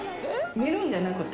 見るんじゃなくて？